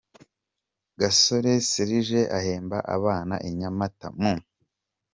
Gasore Serge ahemba abana i NyamataMu